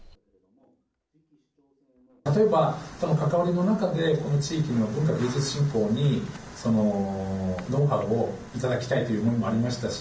例えば関わりの中でこの地域の文化芸術振興にノウハウをいただきたいという思いもありましたし